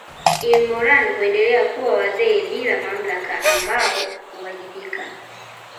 Ilmoran huendelea kuwa wazee bila mamlaka ambao huwajibika